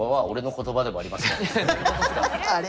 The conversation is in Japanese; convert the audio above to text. あれ？